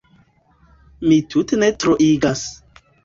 Mi tute ne troigas.